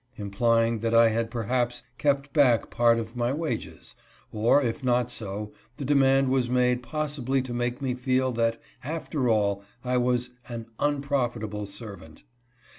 — implying that I had perhaps kept back part of my wages ; or, if not so, the demand was made possibly to make me feel that after all, I was an " unprofitable servant."